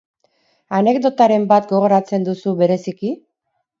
Anekdotaren bat gogoratzen duzu bereziki?